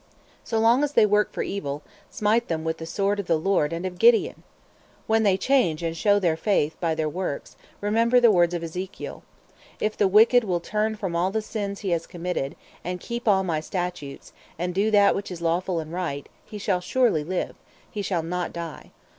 So long as they work for evil, smite them with the sword of the Lord and of Gideon! When they change and show their faith by their works, remember the words of Ezekiel: "If the wicked will turn from all the sins he has committed, and keep all my statutes, and do that which is lawful and right, he shall surely live, he shall not die.